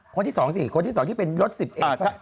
คนที่สองสิคนที่สองที่เป็นรถสิบเอ็กซ์